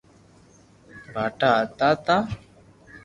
ڀآٺا ھتا تا